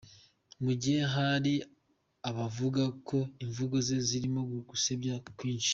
Mu gihe hari abavuga ko imvugo ze zirimo gukabya kwinshi